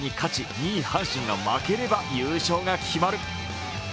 ２位・阪神が負ければ優勝が決まる。